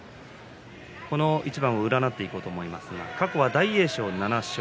この一番を占っていこうと思いますが、過去は大栄翔が７勝。